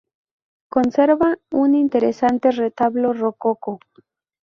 Conserva un interesante retablo rococó.